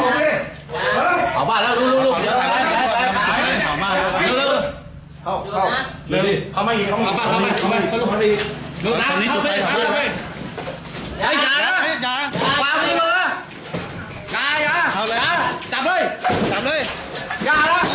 ลูกน้ำเอาไปเอาไปอย่าอย่าอย่าอย่าอย่าจับเลยจับเลย